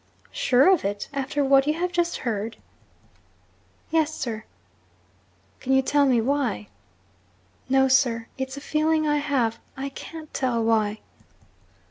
'Sure of it, after what you have just heard?' 'Yes, sir.' 'Can you tell me why?' 'No, sir. It's a feeling I have. I can't tell why.'